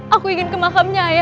aku ingin ke makamnya ya